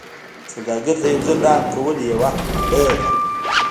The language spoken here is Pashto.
سوالګر ته یو ځل رحم کول یوه نړۍ ده